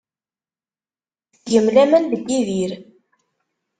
Tettgem laman deg Yidir.